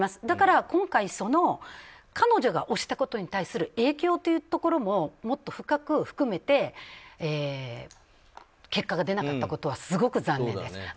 だから今回彼女が押したことに対する影響というところももっと深く含めて結果が出なかったことはすごく残念です。